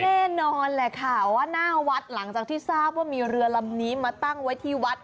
แน่นอนแหละค่ะว่าหน้าวัดหลังจากที่ทราบว่ามีเรือลำนี้มาตั้งไว้ที่วัด